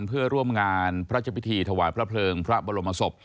เพื่อร่วมงานพระเจ้าพิธีถวายพระเพลิงพระบรมศพ